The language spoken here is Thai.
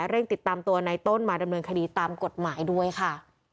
เร่งติดตามตัวในต้นมาดำเนินคดีตามกฎหมายด้วยค่ะ